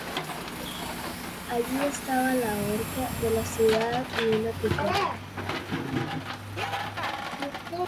Allí estaba la horca de la ciudad y una picota.